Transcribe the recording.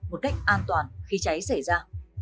một cách an toàn khi cháy xảy ra